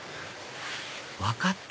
分かった？